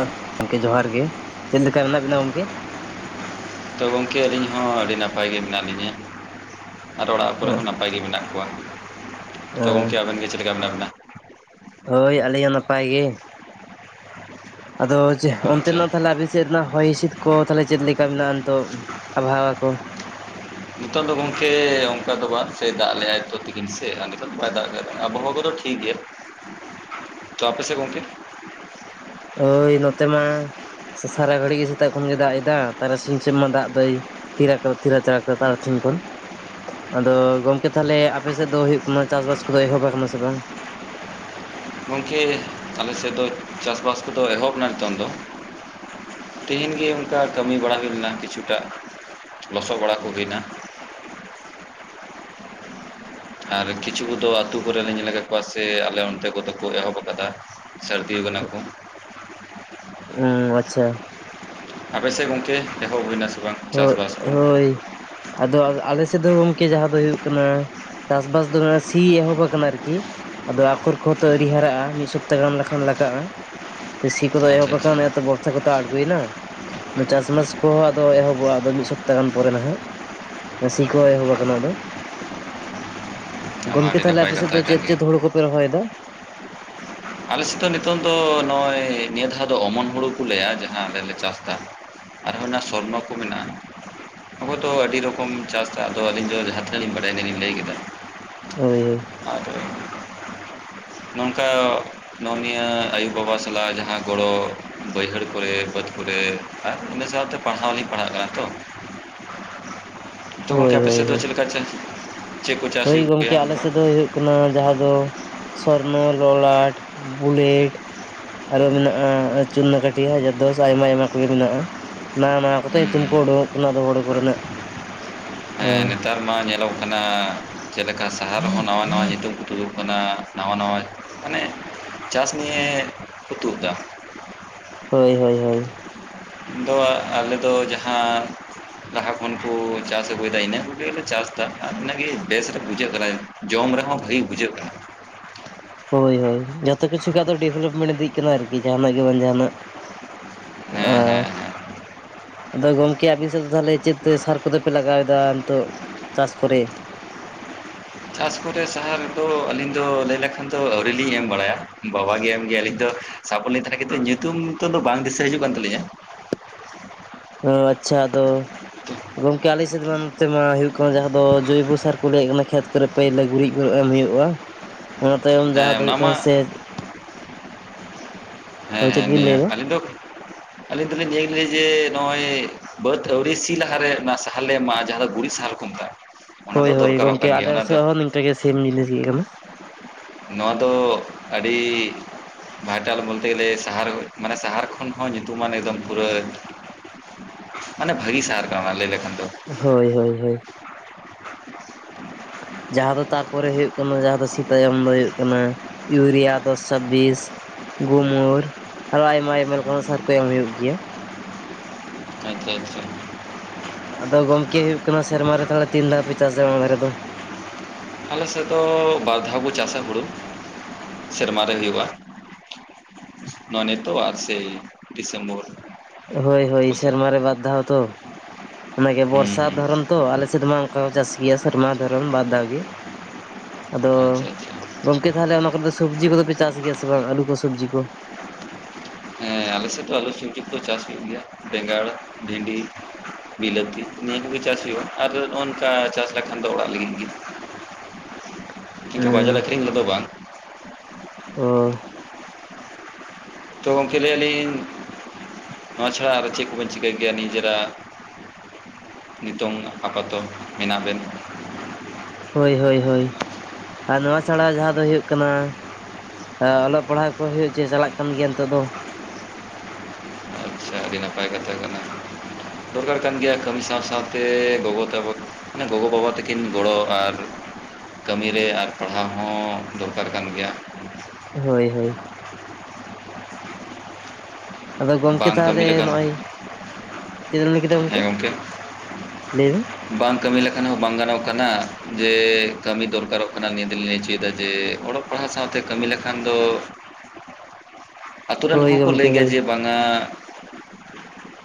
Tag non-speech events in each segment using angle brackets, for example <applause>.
<inaudible> ᱜᱚᱝᱠᱮ ᱡᱚᱦᱟᱨ ᱜᱮ᱾ ᱪᱮᱫ ᱞᱮᱠᱟ ᱢᱮᱱᱟᱜ ᱵᱤᱱᱟ ᱜᱚᱝᱠᱮ? ᱛᱚ ᱜᱚᱝᱠᱮ ᱟᱹᱞᱤᱧ ᱦᱚᱸ ᱟᱹᱰᱤ ᱱᱟᱯᱟᱭ ᱜᱮ ᱢᱮᱱᱟᱜ ᱞᱤᱧᱟᱹ᱾ ᱟᱨ ᱚᱲᱟᱜ ᱠᱚᱨᱮ ᱦᱚᱸ ᱱᱟᱯᱟᱭ ᱜᱮ ᱢᱮᱱᱟᱜ ᱠᱚᱣᱟ, ᱛᱚ ᱜᱚᱝᱠᱮ ᱟᱵᱮᱱ ᱜᱮ ᱪᱮᱫ ᱞᱮᱠᱟ ᱢᱮᱱᱟᱜ ᱵᱤᱱᱟ? ᱦᱳᱭ ᱟᱞᱤᱧ ᱦᱚᱸ ᱱᱟᱯᱟᱭ ᱜᱮ᱾ ᱟᱫᱚ ᱪᱮᱫ ᱟᱪᱪᱷᱟ ᱚᱱᱛᱮᱱᱟᱜ ᱛᱟᱞᱦᱮ ᱟᱵᱤᱱ ᱥᱮᱫ ᱨᱮᱱᱟᱜ ᱦᱚᱭ ᱦᱤᱸᱥᱤᱫ ᱠᱚ ᱛᱟᱞᱦᱮ ᱪᱮᱫ ᱞᱮᱠᱟ ᱢᱮᱱᱟᱜ-ᱟ ᱱᱤᱛᱚᱜ, ᱟᱵᱚᱦᱟᱣᱟ ᱠᱚ? ᱱᱤᱛᱚᱜ ᱫᱚ ᱜᱚᱝᱠᱮ ᱚᱱᱠᱟ ᱫᱚ ᱵᱟᱝ, ᱥᱮ ᱫᱟᱜ ᱞᱮᱜ-ᱟᱭ ᱛᱚ ᱛᱤᱠᱤᱱ ᱥᱮᱫ <inaudible> ᱱᱤᱛᱚᱜ ᱵᱟᱭ ᱫᱟᱜ ᱠᱟᱫᱟ, ᱟᱵᱚᱦᱟᱣᱟ ᱠᱚᱫᱚ ᱴᱷᱤᱠ ᱜᱮᱭᱟ᱾ ᱛᱚ ᱟᱯᱮ ᱥᱮᱫ ᱜᱚᱝᱠᱮ? ᱳᱭ ᱱᱚᱛᱮ ᱢᱟ ᱥᱟᱥᱟᱨᱟ ᱜᱷᱟᱹᱲᱤᱡ ᱜᱮ ᱥᱮᱛᱟᱜ ᱠᱷᱚᱱᱜᱮ ᱫᱟᱜ ᱮᱫᱟ, ᱛᱟᱨᱟᱥᱤᱧ ᱥᱮᱫ ᱢᱟ ᱫᱟᱜ ᱫᱚᱭ <unintelligible> ᱛᱟᱨᱟᱥᱤᱧ ᱠᱷᱚᱱ᱾ ᱟᱫᱚ ᱜᱚᱢᱠᱮ ᱛᱟᱦᱞᱮ ᱟᱯᱮ ᱥᱮᱫ ᱫᱚ ᱦᱩᱭᱩᱜ ᱠᱟᱱᱟ ᱢᱟᱱᱮ ᱪᱟᱥᱵᱟᱥ ᱠᱚᱫᱚ ᱮᱦᱚᱵ ᱟᱠᱟᱱᱟ ᱥᱮ ᱵᱟᱝ? ᱜᱚᱝᱠᱮ ᱟᱞᱮ ᱥᱮᱫ ᱫᱚ ᱪᱟᱥᱵᱟᱥ ᱠᱚᱫᱚ ᱮᱦᱚᱵ ᱮᱱᱟ ᱱᱤᱛᱚᱝ ᱫᱚ᱾ ᱛᱤᱦᱤᱧ ᱜᱮ ᱚᱱᱠᱟ ᱠᱟᱹᱢᱤ ᱵᱟᱲᱟ ᱦᱩᱭ ᱞᱮᱱᱟ ᱠᱤᱪᱷᱩᱴᱟᱜ, ᱞᱚᱥᱚᱫ ᱵᱟᱲᱟ ᱠᱚ ᱦᱩᱭᱱᱟ᱾ ᱟᱨ ᱠᱤᱪᱷᱩ ᱠᱚᱫᱚ ᱟᱹᱛᱳ ᱠᱚᱨᱮ ᱞᱤᱧ ᱧᱮᱞ ᱠᱟᱜ ᱠᱚᱣᱟ ᱥᱮ ᱟᱞᱮ ᱚᱱᱛᱮ ᱠᱚᱫᱚ ᱠᱚ ᱮᱦᱚᱵ ᱟᱠᱟᱫᱟ᱾ ᱥᱟᱹᱨᱫᱤ ᱠᱟᱱᱟ ᱠᱚ, ᱦᱩᱸ ᱟᱪᱪᱷᱟ, ᱟᱯᱮᱥᱮᱫ ᱜᱚᱝᱠᱮ ᱮᱦᱚᱵ ᱦᱩᱭᱱᱟ ᱥᱮ ᱵᱟᱝ? ᱦᱳᱜ, ᱪᱟᱥᱵᱟᱥ ᱠᱚ ᱦᱳᱭ, ᱟᱫᱚ ᱟᱞᱮ ᱥᱮᱫ ᱫᱚ ᱜᱚᱝᱠᱮ ᱡᱟᱦᱟᱸ ᱫᱚ ᱦᱩᱭᱩᱜ ᱠᱟᱱᱟ ᱪᱟᱥᱵᱟᱥ ᱫᱚ ᱱᱟᱦᱟᱜ ᱥᱤ ᱮᱦᱚᱵ ᱟᱠᱟᱱᱟ ᱟᱨᱠᱤ, ᱟᱫᱚ ᱟᱠᱷᱚᱨ ᱠᱚᱦᱚᱸ ᱛᱚ ᱟᱹᱣᱨᱤ ᱦᱟᱨᱟᱜ-ᱟ ᱢᱤᱫ ᱥᱚᱯᱛᱟ ᱜᱟᱱ ᱞᱟᱠᱷᱟᱱ ᱞᱟᱜᱟᱜ-ᱟ᱾ ᱥᱤ ᱠᱚᱫᱚ ᱟᱪᱪᱷᱟ ᱟᱪᱪᱷᱟ ᱮᱦᱚᱵᱠᱷᱟᱱ ᱮᱛᱚ ᱵᱚᱨᱥᱟ ᱠᱚᱛᱚ ᱟᱬᱜᱚᱭᱮᱱᱟ ᱪᱟᱥ ᱵᱟᱥ ᱠᱚᱦᱚᱸ ᱮᱦᱚᱵ ᱟᱵᱚᱣᱟᱜᱫᱚ ᱢᱤᱫ ᱥᱚᱯᱛᱟ ᱜᱟᱱ ᱯᱚᱨᱮ ᱱᱟᱦᱟᱜ ᱥᱤ ᱠᱚ ᱮᱦᱚᱵ ᱟᱠᱟᱱᱟ ᱟᱫᱚ, <inaudible> ᱜᱚᱝᱠᱮ ᱛᱟᱦᱚᱞᱮ ᱱᱟᱯᱟᱭ ᱟᱯᱮᱥᱮᱫ ᱠᱟᱛᱷᱟ ᱫᱚ ᱠᱟᱱ ᱪᱮᱫ ᱜᱮ ᱪᱮᱫ ᱦᱩᱬᱩ ᱠᱚᱯᱮ ᱨᱚᱦᱚᱭᱮᱫᱟ? ᱟᱞᱮᱥᱮᱫ ᱫᱚ ᱱᱤᱛᱚᱝ ᱫᱚ ᱱᱚᱜᱼᱚᱭ ᱱᱤᱭᱟᱹ ᱫᱷᱟᱣ ᱫᱚ ᱚᱢᱚᱱ ᱦᱩᱲᱩ ᱠᱚ ᱞᱟᱹᱭᱟ ᱡᱟᱦᱟᱸ ᱟᱞᱮ ᱞᱮ ᱪᱟᱥ ᱮᱫᱟ᱾ ᱟᱨᱦᱚᱸ ᱚᱱᱟ ᱥᱚᱨᱱᱚ ᱠᱚ ᱢᱮᱱᱟᱜ-ᱟ, ᱟᱵᱚ ᱛᱚ ᱟᱹᱰᱤ ᱨᱚᱠᱚᱢ ᱪᱟᱥ ᱮᱫᱟ ᱟᱫᱚ ᱟᱹᱞᱤᱧ ᱫᱚ ᱡᱟᱦᱟᱸ ᱛᱤᱱᱟᱹᱜ ᱞᱤᱧ ᱵᱟᱲᱟᱭ-ᱟ ᱤᱱᱟᱹᱞᱤᱧ ᱞᱟᱹᱭ ᱠᱮᱫᱟ᱾ ᱦᱳᱭ, ᱦᱳᱭ, ᱟᱨ, ᱱᱚᱝᱠᱟ, ᱱᱚᱜᱼᱚ ᱱᱤᱭᱟᱹ ᱟᱭᱳ ᱵᱟᱵᱟ ᱥᱟᱞᱟᱜ ᱡᱟᱦᱟᱸ ᱜᱚᱲᱚ ᱵᱟᱹᱭᱦᱟᱹᱲ ᱠᱚᱨᱮ ᱵᱟᱹᱫᱽ ᱠᱚᱨᱮ᱾ ᱟᱨ ᱤᱱᱟᱹ ᱥᱟᱶᱛᱮ ᱯᱟᱲᱦᱟᱣ ᱞᱤᱧ ᱯᱟᱲᱦᱟᱜ ᱠᱟᱱᱟ ᱛᱚ, ᱛᱚ ᱜᱚᱝᱠᱮ ᱦᱳᱭ ᱦᱳᱭ ᱟᱯᱮᱥᱮᱫ ᱦᱳᱭ ᱫᱚ ᱦᱳᱭ ᱪᱮᱫ ᱞᱮᱠᱟ ᱪᱮ? ᱦᱳᱭ ᱜᱚᱝᱠᱮ ᱟᱞᱮᱥᱮᱫ ᱫᱚ ᱦᱩᱭᱩᱜ ᱠᱟᱱᱟ ᱡᱟᱦᱟᱸ ᱫᱚ ᱥᱚᱨᱱᱚ, ᱞᱚᱞᱟᱴ, ᱵᱩᱞᱮᱮᱴ, ᱟᱨᱚ ᱢᱮᱱᱟᱜ-ᱟ ᱪᱩᱨᱱᱟ, ᱠᱟᱹᱴᱷᱤ, ᱦᱟᱡᱟᱨ ᱫᱚᱥ, ᱟᱭᱢᱟ ᱟᱭᱢᱟ ᱠᱚᱜᱮ ᱢᱮᱱᱟᱜ-ᱟ, ᱱᱟᱣᱟ ᱱᱟᱣᱟ ᱠᱚᱛᱚ ᱧᱩᱛᱩᱢ ᱦᱩᱸ ᱠᱚ ᱳᱰᱳᱝᱼᱚᱜ ᱠᱟᱱᱟ ᱦᱳᱬᱳ ᱠᱚ ᱨᱮᱱᱟᱜ᱾ <unintelligible> ᱱᱮᱛᱟᱨ ᱢᱟ ᱧᱮᱞᱚᱜ ᱠᱟᱱᱟ ᱪᱮᱫ ᱞᱮᱠᱟ ᱥᱟᱦᱟᱨ ᱨᱮᱦᱚᱸ ᱱᱟᱣᱟ ᱱᱟᱣᱟ ᱧᱤᱛᱩᱢ ᱠᱚ ᱛᱩᱫᱚᱜ ᱠᱟᱱᱟ ᱱᱟᱣᱟ ᱱᱟᱣᱟ ᱢᱟᱱᱮ, ᱪᱟᱥ ᱱᱤᱭᱮ ᱠᱚ ᱛᱩᱫ ᱫᱟ, ᱦᱳᱭ, ᱦᱳᱭ, ᱦᱳᱭ, ᱫᱚ ᱟᱞᱮᱫᱚ ᱡᱟᱦᱟᱸ ᱞᱟᱦᱟ ᱠᱷᱚᱱ ᱠᱚ ᱪᱟᱥ ᱟᱹᱜᱩᱭᱮᱫᱟ ᱤᱱᱟᱹ ᱠᱚᱜᱮᱞᱮ ᱪᱟᱥ ᱮᱫᱟ ᱟᱨ ᱤᱱᱟᱹᱜᱮ ᱵᱮᱥ ᱫᱚ ᱵᱩᱡᱷᱟᱹᱜ ᱠᱟᱱᱟ, ᱡᱚᱢ ᱨᱮᱦᱚᱸ ᱵᱷᱟᱹᱜᱤ ᱵᱩᱡᱷᱟᱹᱜ ᱠᱟᱱᱟ, ᱦᱳᱭ, ᱦᱳᱭ, ᱡᱚᱛᱚ ᱠᱤᱷᱩ ᱜᱮ ᱟᱫᱚ ᱰᱮᱵᱷᱞᱚᱯᱢᱮᱱᱴ ᱤᱫᱤᱜ ᱠᱟᱱᱟ ᱟᱨᱠᱤ ᱡᱟᱦᱱᱟᱜ ᱜᱮ ᱵᱟᱝ ᱡᱟᱦᱱᱟᱜ, ᱦᱮᱸ ᱦᱮᱸ ᱟᱨ, ᱦᱮᱸ ᱟᱫᱚ ᱜᱚᱝᱠᱮ ᱟᱵᱤᱱ ᱥᱮᱫ ᱫᱚ ᱛᱟᱦᱚᱞᱮ ᱪᱮᱫ ᱛᱮ ᱥᱟᱨ ᱠᱚᱫᱚᱯᱮ ᱞᱟᱜᱟᱣ ᱮᱟᱫᱟ ᱱᱤᱛᱚᱜ ᱪᱟᱥ ᱠᱚᱨᱮ? ᱪᱟᱥ ᱠᱚᱨᱮ ᱥᱟᱦᱟᱨ ᱫᱚ ᱟᱹᱞᱤᱧ ᱫᱚ ᱞᱟᱹᱭ ᱞᱮᱠᱷᱟᱱ ᱫᱚ ᱟᱹᱣᱨᱤ ᱞᱤᱧ ᱮᱢ ᱵᱟᱲᱟᱭᱟ ᱵᱟᱵᱟᱜᱮ ᱮᱢ ᱜᱮᱭᱟ ᱟᱹᱞᱤᱧ ᱫᱚ ᱥᱟᱯᱚᱴ ᱞᱤᱧ ᱛᱟᱦᱮᱱᱟ ᱠᱤᱱᱛᱩ ᱧᱩᱛᱩᱢ ᱠᱚᱫᱚ ᱵᱟᱝ ᱫᱤᱥᱟᱹ ᱦᱤᱡᱩᱜ ᱠᱟᱱ ᱛᱟᱹᱞᱤᱧᱟ, ᱚ, ᱟᱪᱪᱷᱟ ᱟᱫᱚ, ᱜᱚᱝᱠᱮ ᱟᱞᱮ ᱥᱮᱫᱢᱟ ᱱᱚᱛᱮ ᱢᱟ ᱦᱩᱭᱩᱜ ᱠᱟᱱᱟ ᱡᱟᱦᱟᱸ ᱫᱚ ᱡᱳᱭᱵᱚ ᱥᱟᱨ ᱠᱚ ᱞᱟᱹᱭᱮᱫ ᱠᱟᱱᱟ ᱠᱷᱮᱛ ᱠᱚᱨᱮ, ᱯᱟᱹᱭᱞᱟᱹ ᱜᱩᱨᱤᱡ ᱜᱩᱨ ᱮᱢ ᱦᱩᱭᱩᱜᱼᱟ, <inaudible> ᱚᱱᱟ ᱛᱟᱭᱚᱢ ᱦᱮᱸ ᱡᱟᱦᱟᱸ ᱫᱚ ᱚᱱᱟ ᱦᱩᱭᱩᱜ ᱢᱟ ᱠᱟᱱᱟ ᱥᱮᱫ, ᱦᱮᱸ, ᱪᱮᱫ ᱦᱮᱸ, ᱵᱤᱱ ᱱᱤᱭᱟ, ᱞᱟᱹᱭ ᱮᱫᱟ ᱟᱹᱞᱤᱧ ᱫᱚ, ᱟᱹᱞᱤᱧ ᱫᱚᱞᱤᱧ <unintelligible> ᱱᱤᱭᱟᱹ ᱜᱮᱭᱟ ᱡᱮ ᱱᱚᱜᱼᱚᱭ ᱵᱟᱹᱫᱽ ᱟᱹᱣᱨᱤ ᱥᱤ ᱞᱟᱦᱟᱨᱮ ᱚᱱᱟ ᱥᱟᱦᱟᱨ ᱞᱮ ᱮᱢᱟᱜ ᱡᱟᱦᱟᱸ ᱫᱚ ᱜᱩᱨᱤᱡ ᱥᱟᱦᱟᱨ ᱠᱚ ᱢᱮᱛᱟᱜᱼᱟ, ᱚᱱᱟ ᱫᱚ ᱦᱳᱭ, ᱦᱳᱭ, ᱫᱚᱨᱠᱟᱨᱚᱜ ᱜᱚᱝᱠᱮ ᱠᱟᱱ ᱜᱮᱭᱟ ᱟᱞᱮ ᱚᱱᱟ ᱫᱚ ᱥᱮᱫ ᱦᱚᱸ ᱱᱤᱝᱠᱟᱹ ᱜᱮ ᱥᱮᱢ ᱡᱤᱱᱤᱥ ᱜᱮᱤᱭᱟᱹ ᱠᱟᱱᱟ, ᱱᱚᱣᱟ ᱫᱚ ᱟᱹᱰᱤ ᱵᱟᱭᱴᱟᱞ ᱵᱚᱞᱛᱮ ᱜᱮᱞᱮ ᱥᱟᱦᱟᱨ ᱢᱟᱱᱮ ᱥᱟᱦᱟᱨ ᱠᱷᱚᱱ ᱦᱚᱸ ᱧᱩᱛᱩᱢᱟᱱ ᱮᱠᱫᱚᱢ ᱯᱩᱨᱟᱹ, ᱢᱟᱱᱮ ᱵᱷᱟᱹᱜᱤ ᱥᱟᱦᱟᱨ ᱠᱟᱱᱟ ᱞᱟᱹᱭ ᱞᱮᱠᱷᱟᱱ ᱫᱚ, ᱦᱳᱭ, ᱦᱳᱭ, ᱦᱳᱭ᱾ ᱡᱟᱦᱟᱸ ᱫᱚ ᱛᱟᱨᱯᱚᱨᱮ ᱦᱩᱭᱩᱜ ᱠᱟᱱᱟ ᱡᱟᱦᱟᱸ ᱫᱚ ᱥᱤᱛᱟᱭᱚᱢ ᱫᱚ ᱦᱩᱭᱩᱜ ᱠᱟᱱᱟ, ᱤᱭᱩᱨᱤᱭᱟ ᱫᱚᱥ ᱪᱷᱟᱵᱤᱥ, ᱜᱷᱩᱢᱩᱨ ᱟᱨᱦᱚ ᱟᱭᱢᱟ ᱟᱭᱢᱟ ᱞᱮᱠᱟᱱ ᱥᱟᱨ ᱠᱚ ᱮᱢ ᱦᱩᱭᱩᱜ ᱜᱮᱭᱟ᱾ ᱟᱪᱪᱷᱟ ᱟᱪᱪᱷᱟ᱾ ᱟᱫᱚ ᱜᱚᱢᱠᱮ ᱦᱩᱭᱩᱜ ᱠᱟᱱᱟ ᱥᱮᱨᱢᱟ ᱨᱮ ᱛᱟᱦᱚᱞᱮ ᱛᱤᱱ ᱫᱷᱟᱣ ᱯᱮ ᱪᱟᱥᱟ ᱚᱱᱟ ᱫᱷᱟᱨᱮ ᱫᱚ? ᱟᱞᱮ ᱥᱮᱫ ᱫᱚ ᱵᱟᱨ ᱫᱷᱟᱣ ᱵᱚ ᱪᱟᱥᱟ ᱦᱩᱲᱩ ᱥᱮᱨᱢᱟᱨ ᱨᱮ ᱦᱩᱭᱩᱜ-ᱟ᱾ ᱱᱚᱣᱟ ᱱᱤᱛᱚ-ᱟᱜ ᱥᱮ ᱰᱤᱥᱮᱢᱵᱚᱨ? ᱦᱳᱭ ᱦᱳᱭ ᱠᱚᱥᱮᱫ ᱥᱮᱨᱢᱟᱨ ᱨᱮ ᱵᱟᱨ ᱫᱷᱟᱣ ᱛᱚ ᱚᱱᱟᱜᱮ ᱦᱩᱸ ᱵᱚᱨᱥᱟ ᱦᱩᱸ ᱫᱷᱚᱨᱚᱱ ᱛᱚ ᱟᱞᱮ ᱥᱮᱫ ᱢᱟ, ᱚᱱᱠᱟ ᱠᱚ ᱪᱟᱥ ᱜᱤᱭᱟ ᱥᱮᱨᱢᱟ ᱫᱷᱚᱨᱚᱢ ᱵᱟᱫᱽ ᱫᱷᱟᱣ ᱜᱮ᱾ ᱟᱫᱚ ᱟᱪᱪᱷᱟ ᱟᱪᱪᱷᱟ ᱜᱚᱢᱠᱮ ᱛᱟᱦᱚᱞᱮ ᱚᱱᱟ ᱠᱚᱨᱮ ᱫᱚ ᱥᱚᱵᱡᱤ ᱠᱚᱫᱚ ᱯᱮ ᱪᱟᱥ ᱜᱮᱭᱟ ᱥᱮ ᱵᱟᱝ ᱟᱞᱩ ᱠᱚ ᱥᱚᱵᱡᱤ ᱠᱚ? <inaudible> ᱦᱮᱸ ᱟᱞᱮ ᱥᱮᱫ ᱫᱚ ᱟᱞᱩ ᱥᱚᱵᱡᱤ ᱫᱚ ᱪᱟᱥ ᱦᱩᱭᱩᱜ ᱜᱮᱭᱟ ᱵᱮᱸᱜᱟᱲ, ᱵᱷᱤᱰᱤ, ᱵᱤᱞᱟᱹᱛᱤ ᱱᱤᱭᱟᱹ ᱠᱚᱜᱮ ᱪᱟᱥ ᱦᱩᱭᱩᱜᱼᱟ ᱟᱨ ᱱᱚᱜ ᱱᱚᱝᱠᱟ ᱪᱟᱥ ᱞᱮᱠᱷᱟᱱ ᱫᱚ ᱚᱲᱟᱜ ᱞᱟᱹᱜᱤᱫ ᱜᱮ᱾ ᱪᱮᱠᱟ ᱵᱟᱡᱟᱨ ᱦᱮᱸ ᱟᱹᱠᱷᱨᱤᱧ ᱩᱱᱟᱹᱜ ᱫᱚ ᱵᱟᱝ᱾ ᱳ᱾ ᱛᱚ ᱜᱚᱝᱠᱮ ᱞᱟᱹᱭᱟᱞᱤᱧ ᱱᱚᱣᱟ ᱪᱷᱟᱲᱟ ᱟᱨ ᱪᱮᱫ ᱠᱚᱵᱮᱱ ᱪᱤᱠᱟᱹᱭ ᱜᱮᱭᱟ ᱱᱤᱡᱮᱨᱟᱜ? ᱱᱤᱛᱚᱝ ᱟᱯᱟᱛᱚᱛᱚ ᱢᱮᱱᱟᱜ ᱵᱮᱱ᱾ ᱦᱳᱭ ᱦᱳᱭ ᱦᱳᱭ ᱟᱨ ᱱᱚᱣᱟ ᱪᱷᱟᱲᱟ ᱡᱟᱦᱟᱸ ᱫᱚ ᱦᱩᱭᱩᱜ ᱠᱟᱱᱟ, ᱦᱮ ᱚᱞᱚᱜ ᱯᱟᱲᱦᱟᱜ ᱠᱚ ᱦᱩᱭᱩᱜ ᱪᱮ ᱪᱟᱞᱟᱜ ᱠᱟᱱ ᱜᱮᱭᱟ ᱱᱤᱛᱚᱜ ᱫᱚ᱾ ᱟᱪᱪᱷᱟ ᱟᱹᱰᱤ ᱱᱟᱯᱟᱭ ᱠᱟᱛᱷᱟ ᱠᱟᱱᱟ᱾ ᱫᱚᱨᱠᱟᱨ ᱠᱟᱱ ᱜᱮᱭᱟ ᱠᱟᱹᱢᱤ ᱥᱟᱶ ᱥᱟᱶᱛᱮ ᱜᱚᱜᱚ ᱛᱟᱵᱚ, ᱢᱟᱱᱮ ᱜᱚᱜᱚᱼᱵᱟᱵᱟ ᱛᱟᱹᱠᱤᱱ ᱜᱚᱲᱚ ᱟᱨ ᱠᱟᱹᱢᱤᱨᱮ ᱟᱨ ᱯᱟᱲᱦᱟᱣ ᱦᱚᱸ ᱫᱚᱨᱠᱟᱨ ᱠᱟᱱ ᱜᱮᱭᱟ᱾ ᱦᱳᱭ ᱦᱳᱭ᱾ ᱟᱫᱚ ᱜᱚᱢᱠᱮ ᱵᱟᱝ ᱠᱟᱹᱢᱤ ᱛᱟᱦᱚᱞᱮ ᱞᱮᱠᱷᱟᱱ ᱱᱚᱜᱼᱚᱭ, ᱪᱮᱫ ᱮᱢ ᱞᱟᱹᱭ ᱠᱮᱫᱟ ᱜᱚᱢᱠᱮ? ᱞᱟᱹᱭ ᱢᱮ, ᱵᱟᱝ ᱠᱟᱹᱢᱤ ᱞᱮᱠᱷᱟᱱ ᱦᱚᱸ ᱵᱟᱝ ᱜᱟᱱᱚᱜ ᱠᱟᱱᱟ, ᱡᱮ ᱠᱟᱹᱢᱤ ᱫᱚᱨᱠᱟᱨᱚᱜ ᱠᱟᱱᱟ ᱱᱤᱭᱟᱹ ᱫᱚᱞᱤᱧ ᱞᱟᱹᱭ ᱚᱪᱚᱭᱮᱫᱟ ᱡᱮ ᱚᱲᱚ ᱚᱱᱟ ᱥᱟᱶᱛᱮ ᱠᱟᱹᱢᱤ ᱞᱮᱱᱠᱷᱟᱱ ᱫᱚ ᱟᱛᱩ ᱨᱮᱱ ᱦᱳᱭ ᱦᱚᱸᱠᱚ ᱜᱚᱢᱠᱮ ᱞᱟᱹᱭ ᱜᱮᱭᱟ ᱦᱳᱭ ᱡᱮ ᱵᱟᱝ ᱟ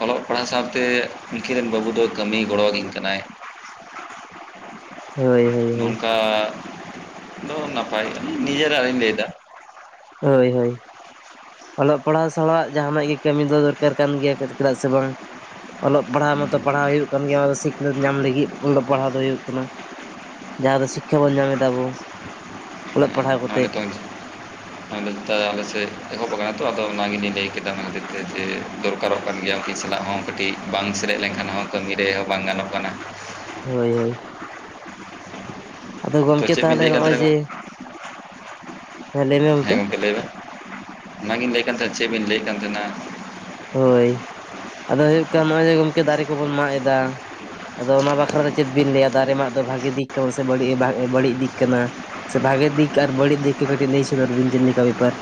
ᱚᱞᱚᱜ ᱯᱟᱲᱦᱟᱣ ᱥᱟᱶᱛᱮ ᱩᱱᱠᱤᱱ ᱨᱮᱱ ᱵᱟᱹᱵᱩ ᱫᱚᱭ ᱠᱟᱹᱢᱤ ᱜᱚᱲᱚᱣᱟ ᱠᱤᱱ ᱠᱟᱱᱟᱭ᱾ ᱦᱳᱭ ᱦᱳᱭ ᱦᱳᱭ ᱱᱚᱝᱠᱟ ᱫᱚ ᱱᱟᱯᱟᱭ ᱱᱤᱡᱮᱨᱟᱜ ᱨᱤᱧ ᱞᱟᱹᱭᱫᱟ᱾ ᱦᱳ‌‌. ᱭ ᱦᱳ. ᱭ᱾ ᱚᱞᱚᱜ ᱯᱟᱲᱦᱟᱣ ᱥᱟᱞᱟᱜ ᱡᱟᱦᱟᱱᱟᱜ ᱜᱮ ᱠᱟᱹᱢᱤ ᱫᱚ ᱫᱚᱨᱠᱟᱨ ᱠᱟᱱ ᱜᱮᱭᱟ ᱪᱮᱫᱟᱜ ᱥᱮ ᱵᱟᱝ ᱚᱞᱚᱜ ᱯᱟᱲᱦᱟᱣ ᱢᱟᱛᱚ ᱯᱟᱲᱦᱟᱣ ᱦᱩᱭᱩᱜ ᱠᱟᱱ ᱜᱮᱭᱟ ᱥᱤᱠᱷᱱᱟᱹᱛ ᱧᱟᱢ ᱞᱟᱹᱜᱤᱫ ᱚᱞᱚᱜ ᱯᱟᱲᱦᱟᱣ ᱫᱚ ᱦᱩᱭᱩᱜ ᱠᱟᱱᱟ ᱡᱟᱦᱟᱸ ᱫᱚ ᱥᱤᱠᱠᱷᱟ ᱵᱚᱱ ᱧᱟᱢ ᱮᱫᱟ ᱟᱵᱚ᱾ ᱚᱞᱚᱜ ᱯᱟᱲᱦᱟᱣ ᱱᱚᱜ-ᱚᱭ ᱠᱟᱛᱮᱫ ᱱᱮᱛᱳᱢ ᱟᱨ ᱱᱮᱛᱟᱨ ᱫᱚ ᱟᱞᱮ ᱥᱮᱫ ᱮᱦᱚᱵ ᱟᱠᱟᱱᱟ ᱛᱚ, ᱟᱫᱚ ᱚᱱᱟᱜᱮᱞᱤᱧ ᱞᱟᱹᱭ ᱠᱮᱫᱟ ᱚᱱᱟ ᱠᱷᱚᱛᱤᱨ ᱛᱮ, ᱡᱮ ᱫᱚᱨᱠᱟᱨᱚᱜ ᱠᱟᱱ ᱜᱮᱭᱟ ᱩᱱᱠᱤᱱ ᱥᱟᱞᱟᱜ ᱦᱚᱸ᱾ ᱠᱟᱹᱴᱤᱡ ᱵᱟᱝ ᱥᱮᱞᱮᱫ ᱞᱮᱱᱠᱷᱟᱱ ᱦᱚᱸ ᱠᱟᱹᱢᱤ ᱨᱮ ᱦᱚᱸ ᱵᱟᱝ ᱜᱟᱱᱚᱜ ᱠᱟᱱᱟ᱾ ᱦᱳᱭ ᱦᱳᱭ᱾ ᱟᱫᱚ ᱛᱚ ᱜᱚᱢᱠᱮ ᱪᱮᱫ ᱵᱤᱱ ᱛᱟᱦᱚᱞᱮ ᱞᱟᱹᱭᱮᱫ ᱠᱟᱱ ᱱᱚᱜᱼᱚᱭ ᱛᱟᱦᱮᱱᱟ ᱡᱮ ᱜᱚᱝᱠᱮ? ᱦᱮᱸ ᱜᱚᱢᱠᱮ ᱞᱟᱹᱭ ᱵᱮᱱ ᱚᱱᱟᱜᱤᱧ ᱞᱟᱹᱭᱮᱫ ᱠᱟᱱ ᱛᱟᱦᱮᱱᱟ ᱪᱮᱫ ᱵᱤᱱ ᱞᱟᱹᱭᱮᱫ ᱠᱟᱱ ᱛᱟᱦᱮᱱᱟ? ᱦᱳᱭ ᱟᱫᱚ ᱦᱩᱭᱩᱜ ᱠᱟᱱᱟ ᱱᱚᱜᱼᱚᱭ ᱡᱮ ᱜᱚᱢᱠᱮ ᱫᱟᱨᱮ ᱠᱚᱵᱚᱱ ᱢᱟᱜ ᱮᱫᱟ ᱟᱫᱚ ᱚᱱᱟ ᱵᱟᱠᱷᱨᱟ ᱫᱚ ᱪᱮᱫ ᱵᱤᱱ ᱞᱟᱹᱭᱟ ᱫᱟᱨᱮ ᱢᱟ ᱫᱚ ᱵᱷᱟᱜᱤ ᱫᱤᱠ ᱠᱟᱱᱟ ᱥᱮ ᱵᱟᱹᱲᱤᱡ ᱮᱸ ᱵᱷᱟᱜ ᱮᱸ ᱵᱟᱹᱲᱤᱡ ᱫᱤᱠ ᱠᱟᱱᱟ? ᱥᱮ ᱵᱷᱟᱜᱮ ᱫᱤᱠ ᱟᱨ ᱵᱟᱲᱤᱡ ᱫᱤᱠ ᱠᱚ ᱠᱟᱹᱴᱤᱡ ᱞᱟᱹᱭ ᱥᱚᱫᱟᱨ ᱵᱤᱱ ᱡᱮᱞᱮᱠᱟ. ᱵᱮᱯᱟᱨ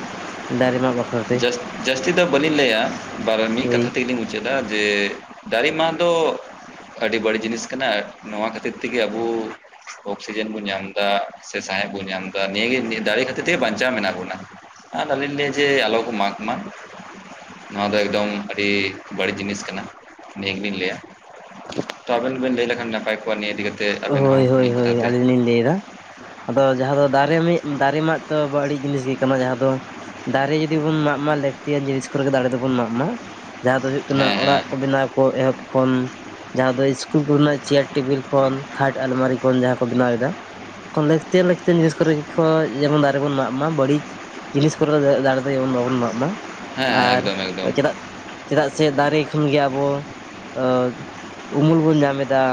ᱫᱟᱨᱮ ᱢᱟᱜ ᱵᱟᱠᱷ ᱡᱟᱥ ᱡᱟᱹᱥᱛᱤ ᱫᱚ ᱵᱟᱹᱞᱤᱧ ᱞᱟᱹᱭᱮᱫ-ᱟ, ᱵᱟᱨᱮ ᱢᱤᱫ ᱦᱳᱭ ᱠᱟᱛᱷᱟ ᱛᱮᱜᱮ ᱞᱤᱧ ᱢᱩ ᱪᱟᱹᱫᱟ ᱡᱮ ᱫᱟᱨᱮ ᱢᱟᱜ ᱫᱚ ᱟᱹᱰᱤ ᱵᱟᱹᱲᱤᱡ ᱡᱤᱱᱤᱥ ᱠᱟᱱᱟ ᱱᱚᱣᱟ ᱠᱷᱟᱹᱛᱤᱨ ᱛᱮᱜᱮ ᱟᱵᱚ ᱚᱠᱥᱤᱡᱮᱱ ᱵᱚᱱ ᱧᱟᱢ ᱮᱫᱟ ᱥᱮ ᱥᱟᱸᱟᱦᱮᱫᱽ ᱵᱚᱱ ᱧᱟᱢ ᱮᱫᱟ, ᱱᱤᱭᱟᱹᱜᱮ ᱤᱭᱟᱹ ᱫᱟᱲᱮ ᱠᱷᱟᱹᱛᱤᱨ ᱛᱮᱜᱮ ᱵᱟᱧᱪᱟᱣ ᱢᱮᱱᱟᱜ ᱵᱚᱱᱟ᱾ ᱟᱨ ᱟᱞᱤᱧ ᱞᱟᱹᱭᱟ ᱡᱮ ᱟᱞᱚ ᱠᱚ ᱢᱟᱜᱽ ᱢᱟ᱾ ᱱᱚᱣᱟ ᱫᱚ ᱮᱠᱫᱚᱢ ᱟᱹᱰᱤ ᱵᱟᱹᱲᱤᱡ ᱡᱤᱱᱤᱥ ᱠᱟᱱᱟ, ᱱᱤᱭᱟᱹ ᱜᱮᱞᱤᱧ ᱞᱟᱹᱭᱟ᱾ ᱛᱚ ᱟᱵᱮᱱ ᱵᱮᱱ ᱞᱟᱹᱭ ᱞᱮᱠᱷᱟᱱ ᱱᱟᱯᱟᱭ ᱠᱚᱜᱼᱟ ᱱᱤᱭᱟᱹ ᱤᱫᱤ ᱠᱟᱛᱮ ᱟᱵᱮᱱ ᱦᱚᱸ ᱢᱤᱫ ᱠᱟᱛᱷᱟ ᱛᱮ᱾ ᱤᱧ ᱞᱟᱹᱭ ᱮᱫᱟ᱾ ᱟᱫᱚ ᱡᱟᱦᱟᱸ ᱫᱚ ᱫᱟᱨᱮ ᱢᱤᱜ, ᱫᱟᱨᱮ ᱢᱟᱜ ᱛᱚ ᱵᱟᱹᱲᱤᱡ ᱡᱤᱱᱤᱥ ᱜᱮ ᱠᱟᱱᱟ ᱡᱟᱦᱟᱸ ᱫᱚ ᱫᱟᱨᱮ ᱡᱩᱫᱤ ᱵᱚᱱ ᱢᱟᱜ ᱢᱟ ᱞᱟᱹᱠᱛᱤᱭᱟᱱ ᱡᱤᱱᱤᱥ ᱠᱚᱨᱮ ᱜᱮ ᱫᱟᱲᱮ ᱫᱚᱵᱚᱱ ᱢᱟᱜ ᱢᱟ᱾ ᱡᱟᱦᱟᱸ ᱫᱚ ᱦᱩᱭᱩᱜ ᱠᱟᱱᱟ ᱦᱮᱸ ᱦᱮᱸ ᱚᱲᱟᱜ ᱠᱚ ᱵᱮᱱᱟᱣ ᱠᱚ ᱮᱦᱚᱵ ᱠᱷᱚᱱ, ᱡᱟᱦᱟᱸ ᱫᱚ ᱤᱥᱠᱩᱞ ᱠᱚᱨᱮᱱᱟᱜ ᱪᱮᱭᱟᱨ ᱴᱮᱵᱤᱞ ᱠᱷᱚᱱ, ᱠᱷᱟᱴ ᱟᱞᱢᱟᱨᱤ ᱠᱷᱚᱱ ᱡᱟᱦᱟᱸ ᱠᱚ ᱵᱮᱱᱟᱣ ᱮᱫᱟ ᱠᱷᱚᱱ ᱞᱟᱹᱠᱛᱤᱭᱟᱱ ᱞᱟᱹᱠᱛᱤᱭᱟᱱ ᱡᱤᱱᱤᱥ ᱠᱚᱨᱮ ᱜᱤ ᱠᱷᱚᱡ ᱡᱮᱢᱚᱱ ᱫᱟᱨᱮ ᱵᱚᱱ ᱢᱟᱜ ᱢᱟ, ᱵᱟᱹᱲᱤᱡ ᱡᱤᱱᱤᱥ ᱠᱚᱨᱮ ᱫᱚ <inaudible> ᱫᱟᱨᱮ ᱫᱚ ᱡᱮᱢᱚᱱ ᱵᱟᱵᱚᱱ ᱢᱟᱜ ᱢᱟ᱾ ᱦᱮᱸ ᱟᱨ ᱮᱠᱫᱚᱢ ᱮᱠᱫᱚᱢ ᱪᱮᱫᱟᱜ ᱪᱮᱫᱟᱜ ᱥᱮ ᱫᱟᱨᱮ ᱠᱷᱚᱱ ᱜᱮ ᱟᱵᱚ ᱮ ᱩᱢᱩᱞ ᱵᱚᱱ ᱧᱟᱢ ᱮᱫᱟ,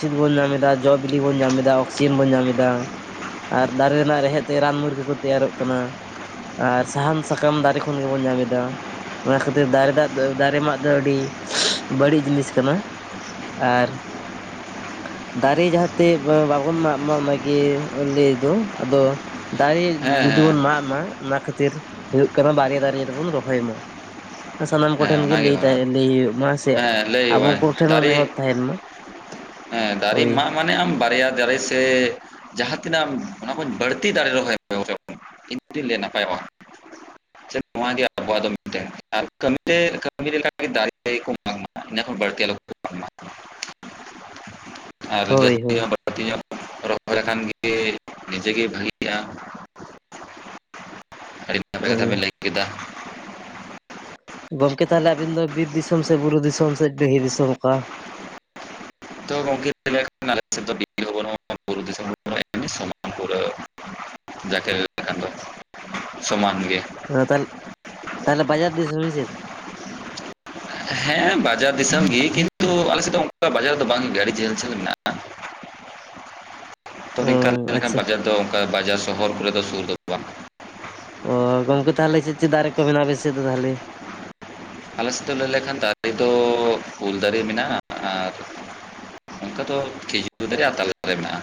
ᱪᱤᱫ ᱵᱚᱱ ᱧᱟᱢ ᱮᱫᱟ ᱡᱚ ᱵᱤᱞᱤ ᱵᱚᱱ ᱧᱟᱢ ᱮᱫᱟ, ᱚᱠᱥᱤᱡᱮᱱ ᱵᱚᱱ ᱧᱟᱢ ᱮᱫᱟ᱾ ᱟᱨ ᱫᱟᱨᱮ ᱨᱮᱱᱟᱜ ᱨᱮᱦᱮᱫᱽ ᱛᱮᱜᱮ ᱨᱟᱱ ᱢᱩᱨᱜᱟᱹ ᱠᱚ ᱛᱮᱭᱟᱨᱚᱜ ᱠᱟᱱᱟ᱾ ᱟᱨ ᱥᱟᱦᱟᱱ ᱥᱟᱠᱟᱢ ᱫᱟᱨᱮ ᱠᱷᱚᱱ ᱜᱮᱵᱚᱱ ᱧᱟᱢ ᱮᱫᱟ᱾ ᱚᱱᱟ ᱠᱷᱟᱹᱛᱤᱨ ᱫᱟᱨᱮ ᱫᱟᱜ ᱫᱚ ᱫᱟᱨᱮ ᱢᱟᱜ ᱫᱚ ᱟᱹᱰᱤ ᱵᱟᱹᱲᱤᱡ ᱡᱤᱱᱤᱥ ᱠᱟᱱᱟ᱾ ᱟᱨ ᱫᱟᱨᱮ ᱡᱟᱦᱟᱸᱛᱮ ᱵᱟ ᱵᱟᱵᱚᱱ ᱢᱟᱜ ᱢᱟ ᱢᱟᱜᱮ ᱞᱟᱹᱭ ᱫᱚ ᱟᱫᱚ ᱫᱟᱨᱮ ᱦᱮᱸ ᱡᱩᱫᱤ ᱦᱮᱸ ᱵᱚᱱ ᱢᱟᱜ ᱢᱟ ᱚᱱᱟ ᱠᱷᱟᱹᱛᱤᱨ ᱦᱩᱭᱩᱜ ᱠᱟᱱᱟ ᱵᱟᱨᱭᱟ ᱫᱟᱨᱮ ᱫᱚᱵᱚᱱ ᱨᱚᱦᱚᱭ ᱢᱟ᱾ ᱮᱸ ᱥᱟᱱᱟᱢ ᱦᱮᱸ ᱠᱚᱴᱷᱮᱱ ᱜᱮ ᱚᱱᱟᱜᱮ ᱞᱟᱹᱭ ᱚᱱᱟ ᱛᱟᱦᱮ ᱞᱟᱹᱭ ᱦᱩᱭᱩᱜ ᱢᱟ ᱥᱮ ᱦᱮᱸ ᱟᱵᱚ ᱞᱟᱹᱭᱟᱹᱧ ᱠᱚᱴᱷᱮᱱ ᱦᱚᱸ ᱫᱟᱨᱮ ᱱᱮᱦᱚᱨ ᱛᱟᱦᱮᱱ ᱢᱟ᱾ ᱦᱮᱸ ᱫᱟᱨᱤ ᱦᱳᱭ ᱢᱟᱜ ᱢᱟᱱᱮ ᱟᱢ ᱵᱟᱨᱭᱟ ᱫᱟᱨᱮ ᱥᱮ ᱡᱟᱦᱟᱸ ᱛᱤᱱᱟᱹᱜ ᱟᱢ ᱚᱱᱟ ᱠᱷᱚᱱ ᱵᱟᱹᱲᱛᱤ ᱫᱟᱲᱮ ᱨᱚᱦᱚᱭ <inaudible> <unintelligible> ᱱᱟᱯᱟᱭᱚᱜᱼᱟ ᱥᱮ ᱱᱚᱣᱟ ᱜᱮ ᱟᱵᱚᱣᱟᱜ ᱫᱚ <inaudible> <inaudible> ᱤᱱᱟᱹ ᱠᱷᱚᱱ ᱵᱟᱹᱲᱛᱤ ᱟᱞᱚ ᱠᱚ <inaudible> ᱟᱨ <inaudible> ᱦᱳᱭ ᱦᱳᱭ <unintelligible> ᱨᱚᱦᱚᱭ ᱞᱮᱠᱟᱱ ᱜᱮ ᱱᱤᱡᱮ ᱜᱮ ᱵᱷᱟᱹᱜᱤᱼᱟ᱾ ᱟᱹᱰᱤ ᱱᱟᱯᱟᱭ ᱦᱳᱭ ᱠᱟᱛᱷᱟ ᱵᱮᱱ ᱞᱟᱹᱭ ᱠᱮᱫᱟ᱾ ᱜᱚᱢᱠᱮ ᱛᱟᱦᱚᱞᱮ ᱟᱵᱤᱱ ᱫᱚ ᱵᱤᱨ ᱫᱤᱥᱚᱢ ᱥᱮ ᱵᱩᱨᱩ ᱫᱤᱥᱚᱢ ᱥᱮ ᱰᱤᱺᱦᱤ ᱫᱤᱥᱚᱢ ᱚᱠᱟ? <inaudible> <inaudible> ᱥᱚᱢᱟᱱ ᱜᱮ᱾ ᱦᱮᱸ ᱛᱟᱦᱚᱞᱮ, ᱛᱟᱦᱚᱞᱮ ᱵᱟᱡᱟᱨ ᱫᱤᱥᱚᱢ ᱥᱮ ᱪᱮᱫ? ᱦᱮᱸ ᱵᱟᱡᱟᱨ ᱫᱤᱥᱚᱢ ᱜᱮ ᱠᱤᱱᱛᱩ ᱟᱞᱮ ᱥᱮᱫ ᱫᱚ ᱚᱱᱠᱟ ᱵᱟᱡᱟᱨᱫᱚ ᱵᱟᱝᱜᱮ ᱟᱹᱰᱤ ᱡᱷᱟᱹᱞ ᱡᱷᱟᱹᱞ ᱢᱮᱱᱟᱜᱼᱟ᱾ <inaudible> ᱛᱚ ᱚ ᱱᱤᱝᱠᱟᱹ <inaudible> ᱞᱮᱠᱷᱟᱱ ᱟᱪᱪᱷᱟ ᱵᱟᱡᱟᱨ ᱫᱚ ᱚᱱᱠᱟ ᱵᱟᱡᱟᱨ ᱥᱚᱦᱚᱨ ᱠᱚᱨᱮ ᱫᱚ ᱥᱩᱨ ᱫᱚ ᱵᱟᱝ᱾ ᱚ ᱜᱚᱝᱠᱮ ᱛᱟᱦᱚᱞᱮ ᱪᱮᱫ ᱪᱮᱫ ᱫᱟᱨᱮ ᱠᱚ ᱢᱮᱱᱟᱜ-ᱟ ᱟᱯᱮ ᱥᱮ ᱫᱚ ᱛᱟᱦᱚᱞᱮ? ᱟᱞᱮ ᱥᱮᱫ ᱞᱟᱹᱭ ᱞᱮᱠᱷᱟᱱ ᱫᱟᱨᱮ ᱫᱚ ᱩᱞ ᱫᱟᱨᱮ ᱢᱮᱱᱟᱜᱼᱟ ᱟᱨ ᱚᱱᱠᱟ ᱫᱚ ᱠᱷᱤᱡᱩᱨ ᱫᱟᱨᱮ ᱟᱨ ᱛᱟᱞᱮ ᱫᱟᱨᱮ ᱢᱮᱱᱟᱜᱼᱟ᱾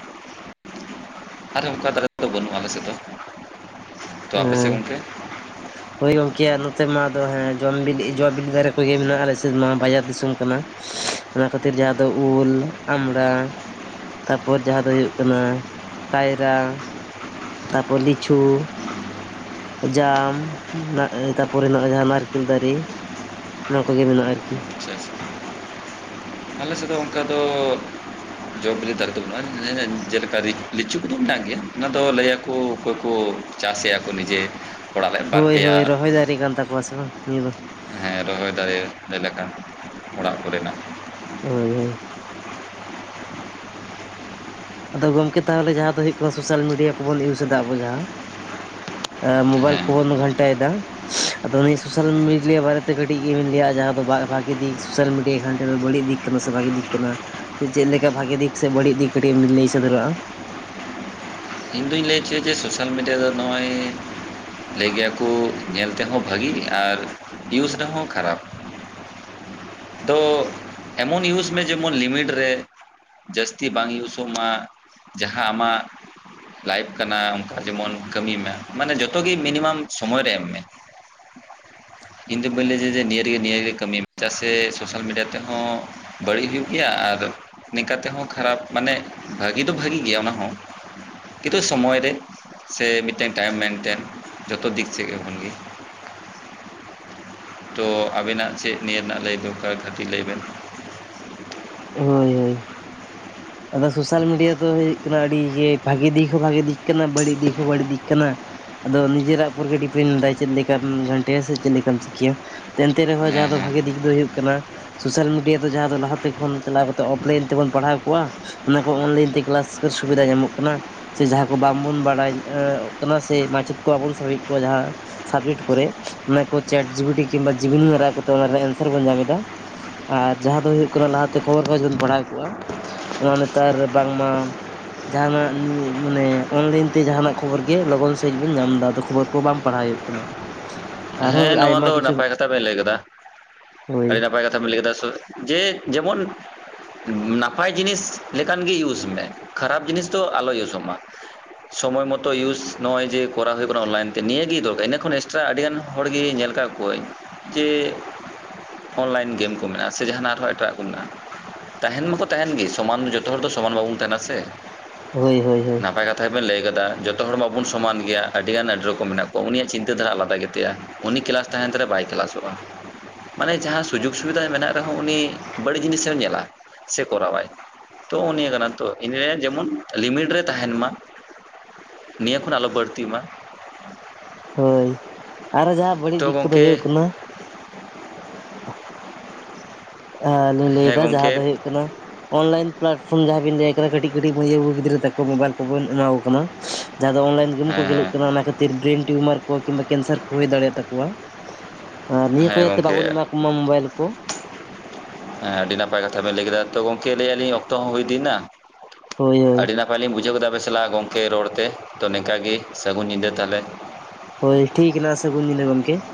ᱟᱨᱮ ᱚᱱᱠᱟ ᱫᱟᱨᱮ ᱠᱟᱫᱚ ᱵᱟᱹᱱᱩᱜᱼᱟ ᱟᱞᱮ ᱥᱮᱫ ᱫᱚ, ᱛᱚ ᱟᱯᱮ ᱥᱮᱫ ᱦᱮᱸ ᱜᱚᱝᱠᱮ? ᱦᱳᱭ ᱜᱚᱝᱠᱮ ᱱᱚᱛᱮ ᱢᱟ ᱟᱫᱚ ᱦᱮᱸ ᱡᱚᱢ ᱵᱤᱞᱤ ᱡᱚ ᱵᱤᱞᱤ ᱫᱟᱨᱮ ᱠᱚᱜᱮ ᱢᱮᱱᱟᱜᱼᱟ ᱟᱞᱮ ᱥᱮᱫ ᱢᱟ ᱵᱟᱡᱟᱨ ᱫᱤᱥᱚᱢ ᱠᱟᱱᱟ᱾ ᱚᱱᱟ ᱠᱷᱟᱹᱛᱤᱨ ᱡᱟᱦᱟᱸ ᱫᱚ ᱩᱞ, ᱟᱢᱲᱟ, ᱛᱟᱯᱚᱨ ᱡᱟᱦᱟᱸ ᱫᱚ ᱦᱩᱭᱩᱜ ᱠᱟᱱᱟ ᱠᱟᱭᱨᱟ, ᱛᱟᱯᱚᱨ ᱞᱤᱪᱩ, ᱡᱟᱢ, ᱛᱟᱯᱚᱨᱮ ᱱᱚᱜᱼᱚᱭ ᱡᱟᱦᱟᱸ ᱱᱟᱨᱠᱮᱞ ᱫᱟᱨᱮ, ᱱᱚᱣᱟ ᱠᱚᱜᱮ ᱢᱮᱱᱟᱜᱼᱟ ᱟᱨᱠᱤ, ᱟᱪᱪᱷᱟ ᱟᱪᱪᱷᱟ ᱟᱨᱠᱤ, ᱟᱞᱮ ᱥᱮᱫ ᱫᱚ ᱚᱱᱠᱟ ᱫᱚ ᱡᱚ ᱵᱤᱞᱤ ᱫᱟᱨᱮ ᱫᱚ ᱵᱟᱹᱱᱩᱜᱼᱟ, ᱡᱮᱞᱮᱠᱟ ᱞᱤᱪᱩ ᱠᱚᱫᱚ ᱢᱮᱱᱟᱜ ᱜᱮᱭᱟ ᱚᱱᱟ ᱫᱚ ᱞᱟᱹᱭᱟᱠᱚ ᱚᱠᱚᱭ ᱠᱚ ᱪᱟᱥ ᱮᱭᱟᱠᱚ ᱱᱤᱡᱮ, ᱚᱲᱟᱜ ᱨᱮ ᱵᱟᱨ ᱦᱳᱭ, ᱯᱮᱭᱟ ᱦᱳᱭ, ᱨᱚᱦᱚᱭ ᱫᱟᱨᱮ ᱠᱟᱱ ᱛᱟᱠᱚᱣᱟ ᱥᱮ ᱵᱟᱝ ᱱᱤᱭᱟᱹ ᱫᱚ, ᱦᱮᱸ ᱨᱚᱦᱚᱭ ᱫᱟᱲᱮ ᱞᱮᱠᱟ ᱚᱲᱟᱜ ᱠᱚᱨᱮᱱᱟᱜ, ᱦᱳᱭ, ᱦᱳᱭ, ᱟᱫᱚ ᱜᱚᱝᱠᱮ ᱛᱟᱦᱚᱞᱮ ᱡᱟᱦᱟᱸ ᱫᱚ ᱦᱩᱭᱩᱜ ᱠᱟᱱᱟ ᱥᱳᱥᱟᱞ ᱢᱤᱰᱤᱭᱟ ᱠᱚᱵᱚᱱ ᱤᱭᱩᱥ ᱮᱫᱟ ᱟᱵᱚ ᱡᱟᱦᱟᱸ ᱟ ᱢᱳᱵᱟᱭᱚᱞ ᱦᱮᱸ ᱠᱚᱵᱚᱱ ᱜᱷᱴᱟᱭ ᱫᱟ, ᱟᱫᱚ ᱩᱱᱤ ᱥᱳᱥᱟᱞ ᱢᱤᱰᱤᱭᱟ ᱵᱟᱨᱮ ᱛᱮ ᱠᱟᱹᱴᱤᱡ ᱜᱮᱵᱮᱱ ᱞᱟᱹᱭᱟ ᱡᱟᱦᱟᱸ ᱫᱚ ᱵᱟᱨ ᱵᱷᱟᱜ? ᱵᱷᱟᱜ ᱫᱤᱠ ᱥᱳᱥᱟᱞ ᱢᱤᱰᱤᱭᱟ ᱜᱷᱟᱱᱴᱟ ᱫᱚ ᱵᱟᱹᱲᱤᱡ ᱫᱤᱠ ᱠᱟᱱᱟ ᱥᱮ ᱵᱷᱟᱜᱤ ᱫᱤᱠ ᱠᱟᱱᱟ ᱥᱮ ᱪᱮᱫ ᱞᱮᱠᱟ ᱵᱷᱟᱜᱮ ᱫᱤᱠ ᱥᱮ ᱵᱟᱹᱲᱤᱡ ᱫᱤᱠ ᱴᱤᱡ ᱮᱢ ᱞᱟᱹᱭ ᱥᱚᱫᱚᱨᱚᱜᱼᱟ, ᱤᱧ ᱫᱩᱧ ᱞᱟᱹᱭ ᱦᱚᱪᱚᱭᱟ ᱡᱮ ᱥᱳᱥᱟᱞ ᱢᱤᱰᱤᱭᱟ ᱫᱚ ᱱᱚᱜᱼᱚᱭ ᱞᱟᱹᱭ ᱜᱮᱭᱟᱠᱚ ᱧᱮᱞ ᱛᱮᱦᱚᱸ ᱵᱷᱟᱹᱜᱤ ᱟᱨ ᱨᱮᱦᱚᱸ ᱠᱷᱟᱨᱟᱯ, ᱛᱚ ᱮᱢᱚᱱ ᱤᱭᱩᱡᱽ ᱢᱮ ᱡᱮᱢᱚᱱ ᱞᱤᱢᱤᱴ ᱨᱮ, ᱡᱟᱹᱥᱛᱤ ᱵᱟᱝ ᱤᱭᱩᱥᱚᱜ ᱢᱟ ᱡᱟᱦᱟᱸ ᱟᱢᱟᱜ, ᱞᱟᱭᱤᱯᱷ ᱠᱟᱱᱟ ᱚᱱᱠᱟ ᱡᱮᱢᱚᱱ ᱠᱟᱹᱢᱤ ᱢᱮ ᱢᱟᱱᱮ ᱡᱚᱛᱚ ᱜᱮ ᱢᱤᱱᱤᱢᱟᱢ ᱥᱚᱢᱚᱭ ᱨᱮ ᱮᱢ ᱢᱮ, ᱤᱧ ᱫᱚ ᱵᱟᱹᱧ ᱞᱟᱹᱭ ᱫᱟ ᱡᱮ ᱱᱤᱭᱟᱹᱜᱮ ᱱᱤᱭᱟᱹᱮ ᱠᱟᱹᱢ ᱪᱟᱥ, ᱥᱮ ᱥᱳᱥᱟᱞ ᱢᱤᱰᱤᱭᱟ ᱛᱮᱦᱚᱸ ᱵᱟᱹᱲᱤᱡ ᱦᱩᱭᱩᱜ ᱜᱮᱭᱟ᱾ ᱟᱨ, ᱱᱤᱝᱠᱟ ᱛᱮᱦᱚᱸ ᱠᱷᱟᱨᱟᱯ ᱢᱟᱱᱮ ᱵᱷᱟᱹᱜᱤ ᱫᱚ ᱵᱷᱟᱹᱜᱤ ᱜᱮᱭᱟ ᱚᱱᱟᱦᱚᱸ, ᱠᱤᱱᱛᱩ ᱥᱚᱢᱚᱭ ᱨᱮ ᱥᱮ ᱢᱤᱫᱴᱮᱱ ᱴᱟᱭᱤᱢ ᱢᱮᱱᱴᱮᱱ ᱡᱚᱛᱚ ᱫᱤᱠ ᱪᱷᱮᱠᱮ ᱠᱷᱚᱱ ᱜᱮ ᱛᱚ ᱟᱵᱮᱱᱟᱜ ᱪᱮᱫ ᱱᱤᱭᱟᱹ ᱨᱮᱱᱟᱜ ᱞᱟᱹᱭ ᱫᱚᱨᱠᱟᱨ ᱠᱷᱟᱹᱛᱤᱨ ᱞᱟᱹᱭ ᱵᱮᱱ, ᱦᱳᱭ ᱦᱳᱭ ᱟᱫᱚ ᱥᱳᱥᱟᱞ ᱢᱤᱰᱤᱭᱟ ᱫᱚ ᱦᱩᱭᱩᱜ ᱠᱟᱱᱟ ᱟᱹᱰᱤ ᱜᱮ ᱵᱷᱟᱜᱤ ᱫᱤᱠ ᱦᱚᱸ ᱵᱷᱟᱜᱤ ᱫᱤᱠ ᱠᱟᱱᱟ ᱵᱟᱹᱲᱤᱡ ᱫᱤᱠ ᱦᱚᱸ ᱵᱟᱹᱲᱤᱡ ᱫᱤᱠ ᱠᱟᱱᱟ, ᱟᱫᱚ ᱱᱤᱡᱮᱨᱟᱜ ᱩᱯᱚᱨ ᱜᱮ ᱰᱤᱯᱮᱱᱰ ᱮ ᱫᱟᱭ ᱪᱮᱫ ᱞᱮᱠᱟᱢ ᱜᱷᱟᱱᱴᱮᱭᱟ ᱥᱮ ᱪᱮᱫ ᱞᱮᱠᱟᱢ ᱪᱤᱠᱟᱹᱭᱟ, ᱮᱱᱛᱮ ᱨᱮᱦᱚᱸ ᱦᱮᱸ ᱡᱟᱦᱟᱸ ᱫᱚ ᱦᱮᱸ ᱵᱷᱟᱜᱤ ᱫᱤᱠ ᱫᱚ ᱦᱩᱭᱩᱜ ᱠᱟᱱᱟ, ᱥᱳᱥᱟᱞ ᱢᱤᱰᱤᱭᱟ ᱫᱚ ᱡᱟᱦᱟᱸ ᱫᱚ ᱞᱟᱦᱟᱛᱮ ᱠᱷᱚᱱ ᱪᱟᱞᱟᱣ ᱠᱟᱛᱮᱫ ᱚᱯᱞᱟᱭᱤᱱ ᱛᱮᱵᱚᱱ ᱯᱟᱲᱦᱟᱣ ᱠᱚᱜᱣᱟ? ᱚᱱᱟ ᱠᱚ ᱚᱱᱞᱟᱭᱤᱱ ᱛᱮ ᱠᱮᱞᱟᱥ ᱠᱚ ᱥᱩᱵᱤᱫᱷᱟ ᱧᱟᱢᱚᱜ ᱠᱟᱱᱟ, ᱥᱮ ᱡᱟᱦᱟᱸ ᱠᱚ ᱵᱟᱝᱵᱚᱱ ᱵᱟᱲᱟᱭ ᱮᱸᱠᱟᱱᱟ ᱥᱮ ᱢᱟᱪᱮᱫ ᱠᱚ ᱵᱟᱵᱚᱱ ᱥᱚᱵᱮᱫ ᱠᱚᱣᱟ ᱡᱟᱦᱟᱸ ᱥᱟᱵᱡᱮᱠᱴ ᱠᱚᱨᱮ ᱚᱱᱟ ᱠᱚ ᱪᱮᱴ ᱡᱤᱵᱤᱴᱤ ᱠᱤᱝᱵᱟ ᱡᱤᱵᱤᱱᱤ ᱢᱟᱨᱟᱣ ᱠᱟᱛᱮᱫ ᱚᱱᱟ ᱮᱱᱥᱟᱨ ᱵᱚᱱ ᱧᱟᱢ ᱮᱫᱟ, ᱟᱨ ᱡᱟᱦᱟᱸ ᱫᱚ ᱦᱳᱭᱳᱜ ᱠᱟᱱᱟ ᱞᱟᱦᱟᱛᱮ ᱠᱷᱚᱵᱚᱨ ᱠᱟᱜᱚᱡ ᱮᱢ ᱯᱟᱲᱦᱟᱣ ᱠᱚᱜᱼᱟ᱾ ᱚᱱᱟ ᱱᱮᱛᱟᱨ ᱵᱟᱝᱢᱟ ᱡᱟᱦᱟᱱᱟᱜ ᱱᱤᱭᱟᱹ ᱢᱟᱱᱮ ᱚᱱᱞᱟᱭᱤᱱ ᱛᱮ ᱡᱟᱦᱟᱱᱟᱜ ᱠᱷᱚᱵᱚᱨ ᱜᱮ ᱞᱚᱜᱚᱱ ᱥᱟᱹᱦᱤᱡ ᱵᱚᱱ ᱧᱟᱢ ᱮᱫᱟ ᱟᱫᱚ ᱠᱷᱚᱵᱚᱨ, ᱠᱚ ᱵᱟᱢ ᱯᱟᱲᱦᱟᱣ ᱦᱩᱭᱩᱜ ᱠᱟᱱᱟ, ᱟᱨᱦᱚᱸ ᱦᱮᱸ ᱱᱚᱣᱟ ᱟᱭᱢᱟ ᱫᱚ ᱠᱤᱪᱷᱩ ᱱᱟᱯᱟᱭ ᱠᱟᱛᱷᱟ ᱵᱮᱱ ᱞᱟᱹᱭ ᱠᱮᱫᱟ ᱦᱳᱭ ᱟᱹᱰᱤ ᱱᱟᱯᱟᱭ ᱠᱟᱛᱷᱟ ᱵᱮᱱ ᱞᱟᱹᱭ ᱠᱮᱫᱟ᱾ ᱡᱮ, ᱡᱮᱢᱚᱱ ᱱᱟᱯᱟᱭ ᱡᱤᱱᱤᱥ ᱞᱮᱠᱟᱱ ᱜᱮ ᱤᱭᱩᱡᱽ ᱢᱮ ᱠᱷᱟᱨᱟᱯ ᱡᱤᱱᱤᱥ ᱫᱚ ᱟᱞᱚ ᱤᱭᱩᱥᱚᱜ ᱢᱟ ᱾ ᱥᱚᱢᱚᱭ ᱢᱚᱛᱚ ᱤᱭᱩᱥ ᱱᱚᱜᱼᱚᱭ ᱡᱮ ᱠᱚᱨᱟᱣ ᱦᱩᱭᱩᱜ ᱠᱟᱱᱟ ᱚᱱᱞᱟᱭᱤᱱ ᱛᱮ ᱱᱤᱭᱟᱹᱜᱮ ᱫᱚᱨᱠᱟᱨ ᱤᱱᱟᱹᱠᱷᱚᱱ ᱮᱠᱥᱴᱨᱟ ᱟᱹᱰᱤᱜᱟᱱ ᱦᱚᱲ ᱜᱮ ᱧᱮᱞ ᱟᱠᱟᱫ ᱠᱚᱣᱟᱹᱧ ᱡᱮ ᱚᱱᱞᱟᱭᱤᱱ ᱜᱮᱢ ᱠᱚ ᱢᱮᱱᱟᱜᱼᱟ ᱥᱮ ᱡᱟᱦᱟᱱᱟᱜ ᱟᱨᱦᱚᱸ ᱮᱴᱟᱜ ᱠᱚ ᱢᱮᱱᱟᱜᱼᱟ ᱾ ᱛᱟᱦᱮᱱ ᱢᱟᱠᱚ ᱛᱟᱦᱮᱱ ᱜᱮ ᱥᱚᱢᱟᱱ ᱫᱚ ᱡᱚᱛᱚ ᱦᱚᱲ ᱫᱚ ᱥᱚᱢᱟᱱ ᱵᱟᱵᱚᱱ ᱛᱟᱦᱮᱱᱟ ᱥᱮ᱾ ᱦᱳᱭ, ᱦᱳᱭ, ᱦᱳᱭ ᱾ ᱛᱟᱭ ᱵᱮᱱ ᱞᱟᱹᱭ ᱟᱠᱟᱫᱟ ᱡᱚᱛᱚ ᱦᱚᱲ ᱢᱟᱵᱚᱱ ᱥᱚᱢᱟᱱ ᱜᱮᱭᱟ ᱟᱹᱰᱤ ᱜᱟᱱ ᱟᱹᱰᱤ ᱨᱚᱠᱚᱢ ᱢᱮᱱᱟᱜ ᱠᱚᱣᱟ ᱩᱱᱤᱭᱟᱜ ᱪᱤᱱᱛᱟᱹ ᱫᱷᱟᱨᱟ ᱟᱞᱟᱫᱟ ᱜᱮᱛᱟᱭᱟ ᱾ ᱩᱱᱤ ᱠᱮᱞᱟᱥ ᱛᱟᱦᱮᱱ ᱛᱟᱭ ᱨᱮ ᱵᱟᱭ ᱠᱮᱞᱟᱥᱚᱜᱼᱟ ᱾ ᱢᱟᱱᱮ ᱡᱟᱦᱟᱸ ᱥᱩᱡᱳᱜᱽ ᱥᱩᱵᱤᱫᱷᱟ ᱢᱮᱱᱟᱜ ᱨᱮᱦᱚᱸ ᱩᱱᱤ ᱵᱟᱹᱲᱤᱡ ᱡᱤᱱᱤᱥᱮ ᱧᱮᱞᱟ ᱥᱮ ᱠᱚᱨᱟᱣᱟᱭ ᱾ ᱛᱚ ᱱᱤᱭᱟᱹ ᱠᱟᱱᱟ ᱛᱚ ᱤᱱᱟ. ᱡᱮᱢᱚᱱ ᱞᱤᱢᱤᱴ ᱨᱮ ᱛᱟᱦᱮᱱ ᱢᱟ ᱾ ᱱᱤᱭᱟᱹ ᱠᱷᱚᱱ ᱟᱞᱚ ᱵᱟᱹᱲᱛᱤᱜ ᱢᱟ ᱾ ᱦᱳᱭ ᱟᱨᱚ ᱡᱟᱦᱟᱸ ᱵᱟᱹᱲᱤᱡ ᱛᱚ ᱫᱤᱠ ᱠᱚᱫᱚ ᱜᱚᱢᱠᱮ ᱦᱩᱭᱩᱜ ᱠᱟᱱᱟ ᱾ ᱟ- ᱞᱤᱧ ᱦᱮᱸ ᱞᱟᱹᱭᱫᱟ ᱜᱚᱢᱠᱮ ᱡᱟᱦᱟᱸ ᱫᱚ ᱦᱩᱭᱩᱜ ᱠᱟᱱᱟ ᱾ ᱚᱱᱞᱟᱭᱤᱱ ᱯᱞᱟᱴᱯᱷᱚᱨᱚᱢ ᱡᱟᱦᱟᱸ ᱵᱤᱱ ᱞᱟᱹᱭ ᱠᱟᱱᱟ ᱠᱟᱹᱴᱤᱡ ᱠᱟᱹᱴᱤᱡ ᱢᱟᱹᱭ ᱵᱟᱹᱵᱩ ᱜᱤᱫᱽᱨᱟᱹ ᱛᱟᱠᱚ ᱢᱳᱵᱟᱭᱤᱞ ᱠᱚᱵᱚᱱ ᱮᱢᱟ ᱠᱚ ᱠᱟᱱᱟ ᱡᱟᱦᱟᱸ ᱫᱚ ᱚᱱᱞᱟᱭᱤᱱ ᱜᱮᱢ ᱠᱚ ᱦᱮᱸ ᱦᱮᱸ ᱠᱷᱮᱞᱳᱜ ᱠᱟᱱᱟ ᱚᱱᱟ ᱠᱷᱟᱹᱛᱤᱨ ᱵᱨᱮᱱ ᱴᱤᱭᱩᱢᱟᱨ ᱠᱚ ᱠᱤᱱᱵᱟ ᱠᱮᱱᱥᱟᱨ ᱠᱚ ᱦᱩᱭ ᱫᱟᱲᱮᱭᱟ ᱛᱟᱠᱚᱣᱟ ᱾ ᱟᱨ ᱱᱤᱭᱟᱹ ᱠᱚ ᱦᱮᱸ ᱡᱟᱛᱮ ᱜᱚᱢᱠᱮ ᱵᱟᱵᱚᱱ ᱮᱢᱟ ᱠᱚ ᱢᱟ ᱢᱳᱵᱟᱭᱤᱞ ᱠᱚ ᱾ ᱦᱮᱸ ᱟᱹᱰᱤ ᱱᱟᱯᱟᱭ ᱠᱟᱛᱷᱟ ᱵᱮᱱ ᱞᱟᱹᱭ ᱠᱮᱫᱟ ᱛᱚ ᱜᱚᱝᱠᱮ ᱞᱟᱹᱭ ᱟᱞᱤᱧ ᱚᱠᱛᱚ ᱦᱚᱸ ᱦᱩᱭ ᱤᱫᱤ ᱮᱱᱟ ᱦᱳᱭ ᱾ ᱦᱳᱭ ᱟᱹᱰᱤ ᱱᱟ ᱯᱟᱭ ᱞᱤᱧ ᱵᱩᱡᱷᱟᱹᱣ ᱠᱮᱫᱟ ᱟᱵᱮᱱ ᱥᱟᱞᱟᱜ ᱜᱚᱝᱠᱮ ᱨᱚᱲ ᱛᱮ ᱛᱚ ᱱᱤᱝᱠᱟ ᱜᱮ ᱥᱟᱹᱜᱩᱱ ᱧᱤᱫᱟᱹ ᱛᱟᱦᱚᱞᱮ ᱾ ᱦᱳᱭ ᱴᱷᱤᱠ ᱱᱟ ᱥᱟᱹᱜᱩᱱ ᱧᱤᱫᱟᱹ ᱜᱚᱢᱠᱮ ᱾